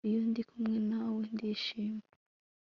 Iyo ndi kumwe nawe ndishima